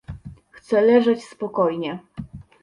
Chce leżeć spokojnie.